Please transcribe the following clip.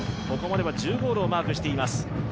ここまでは１０ゴールをマークしています。